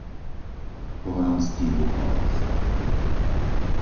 Pohronský Bukovec